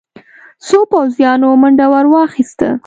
څو پوځيانو منډه ور واخيسته.